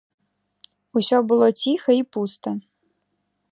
Усё было ціха і пуста.